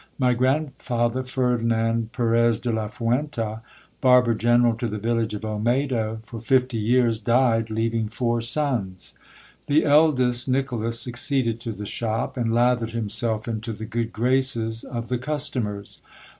My grandfather, Ferdinand Perez de la Fuenta, barber general to the village of Olmedo for fifty years, died, leaving four sons. The eldest, Nicholas, succeeded to the shop, and THE JOURNEYMAN BARBER'S STORY. 59 lathered himself into the good graces of the customers.